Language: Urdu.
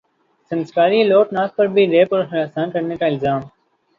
سنسکاری الوک ناتھ پر بھی ریپ اور ہراساں کرنے کا الزام